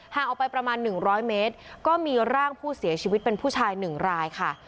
ห่างออกไปประมาณหนึ่งร้อยเมตรก็มีร่างผู้เสียชีวิตเป็นผู้ชายหนึ่งรายค่ะ